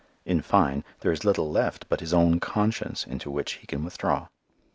In fine, there is little left but his own conscience into which he can withdraw.